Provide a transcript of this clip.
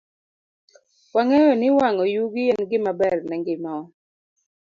Wang'eyo ni wang'o yugi en gima ber ne ngimawa.